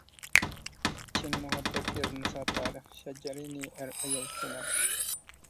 چىن مۇھەببەت يازمىسا تارىخ، شەجەرىنى ئەر ئايال كۆمەر.